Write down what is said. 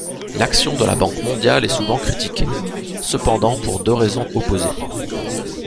L'action de la Banque mondiale est souvent critiquée, cependant pour deux raisons opposées.